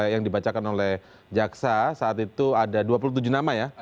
yang dibacakan oleh jaksa saat itu ada dua puluh tujuh nama ya